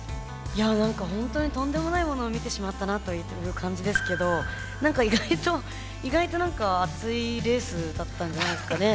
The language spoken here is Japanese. いや何かホントにとんでもないものを見てしまったなという感じですけど何か意外と意外と何か熱いレースだったんじゃないですかね。